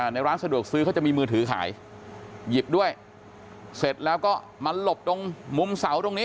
ในร้านสะดวกซื้อเขาจะมีมือถือขายหยิบด้วยเสร็จแล้วก็มาหลบตรงมุมเสาตรงนี้